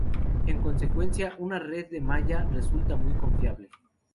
En consecuencia, una red en malla resulta muy confiable.